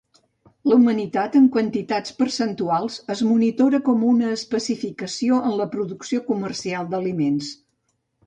La humitat en quantitats percentuals es monitora com una especificació en la producció comercial d'aliments.